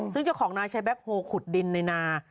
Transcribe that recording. ซึ่งเจ้าของนายใช้แบ็คโฮลขุดดินในนา